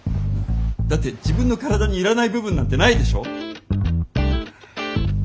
だって自分の体にいらない部分なんてないでしょ。